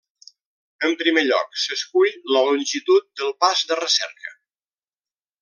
En primer lloc, s'escull la longitud del pas de recerca.